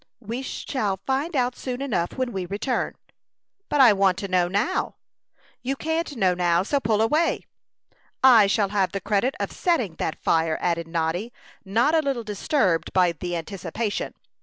"We shall find out soon enough when we return." "But I want to know now." "You can't know now; so pull away." "I shall have the credit of setting that fire," added Noddy, not a little disturbed by the anticipation.